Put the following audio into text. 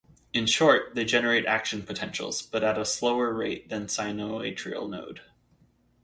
In short, they generate action potentials, but at a slower rate than sinoatrial node.